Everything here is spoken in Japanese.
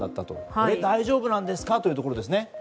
これ、大丈夫なんですかということですよね。